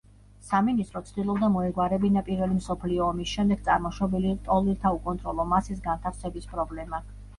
სამინისტრო ცდილობდა, მოეგვარებინა პირველი მსოფლიო ომის შემდეგ წარმოშობილი ლტოლვილთა უკონტროლო მასის განთავსების პრობლემა.